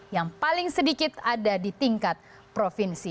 yang paling sedikit ada di tingkat provinsi